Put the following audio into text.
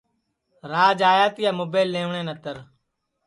راج آیا تیا مُبیل لئیٹؔے نتر